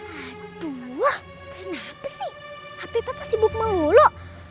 aduh kenapa sih hp papa sibuk melulu